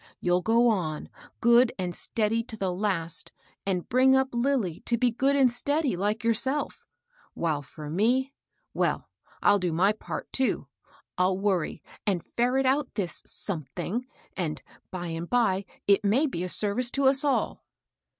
You'll go on, good and steady, to the last, and bring up Lilly to be good and steady, Uke yourself; while for me, — well, I'll do my part, too. I'll worry and ferret out this something^ and, by and by, it may be a service to us all."